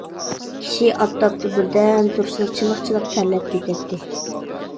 كىشى ئاپتاپتا بىردەم تۇرسىلا، چىلىق-چىلىق تەرلەپ كېتەتتى.